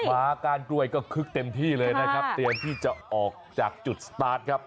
หมาก้านกล้วยก็คึกเต็มที่เลยนะครับเตรียมที่จะออกจากจุดสตาร์ทครับ